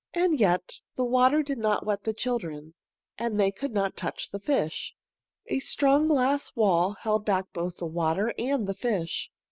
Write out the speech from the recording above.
And yet, the water did not wet the children, and they could not touch the fish. A strong glass wall held back both the water and the fish.